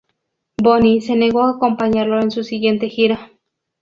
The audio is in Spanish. Bonnie se negó a acompañarlo en su siguiente gira.